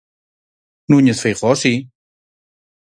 Núñez Feijóo si.